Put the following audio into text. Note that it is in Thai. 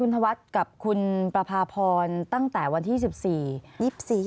ธวัฒน์กับคุณประพาพรตั้งแต่วันที่๑๔๒๔